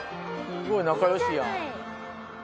すごい仲良しやん。